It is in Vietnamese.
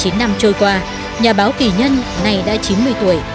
bốn mươi chín năm trôi qua nhà báo kỳ nhân này đã chín mươi tuổi